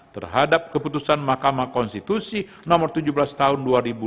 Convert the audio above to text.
terhadap keputusan mahkamah konstitusi nomor tujuh belas tahun dua ribu dua puluh